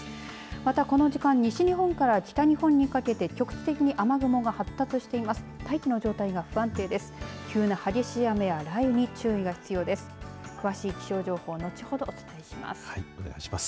またこの時間、西日本から北日本にかけて局地的に雨雲が発達しています。